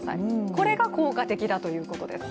これが効果的だということです。